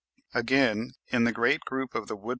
Again, in the great group of the woodpeckers (25.